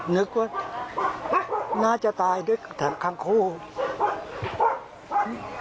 นึกว่าน่าจะตายด้วยแถมทั้งคู่